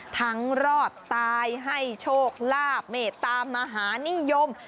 รอดตายให้โชคลาภเมตตามหานิยม